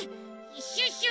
シュッシュ